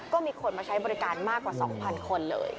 ก็มีคนมาใช้บริการมากกว่า๒๐๐คนเลย